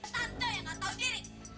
tante yang gak tau diri